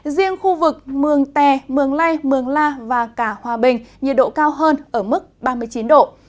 riêng khu vực mường tè mường lây mường la và cả hòa bình nhiệt độ cao hơn ở mức ba mươi chín độ